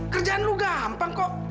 kerjaan lo gampang kok